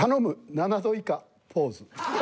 ７度以下ポーズ。